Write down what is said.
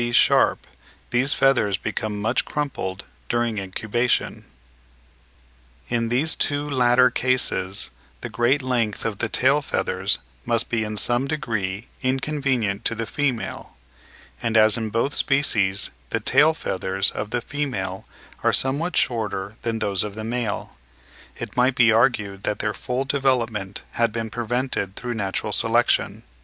B. Sharpe these feathers become much crumpled during incubation. In these two latter cases the great length of the tail feathers must be in some degree inconvenient to the female; and as in both species the tail feathers of the female are somewhat shorter than those of the male, it might be argued that their full development had been prevented through natural selection.